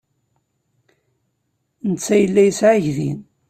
Netta yella yesɛa aydi.